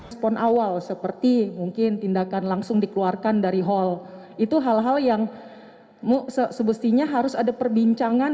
spon awal seperti mungkin tindakan langsung dikeluarkan dari hall itu hal hal yang sebestinya harus ada perbincangan